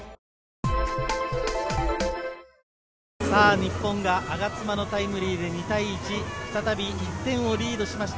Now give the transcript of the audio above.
日本が我妻のタイムリーで２対１、再び１点をリードしました。